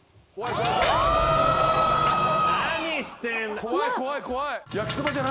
怖い怖い怖い！